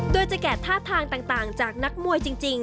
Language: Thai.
โดยจะแกะท่าทางต่างจากนักมวยจริง